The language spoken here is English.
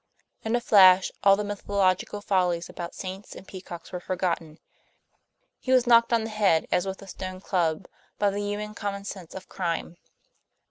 In a flash all the mythological follies about saints and peacocks were forgotten; he was knocked on the head, as with a stone club, by the human common sense of crime.